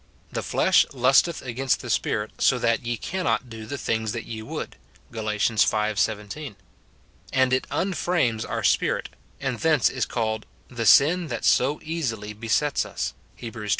" The flesh lusteth against the Spirit, so that ye cannot do the things that ye would," Gal. v. 17. And it unframes our spirit, and thence is called " The sin that so easily besets us," Heb, xii.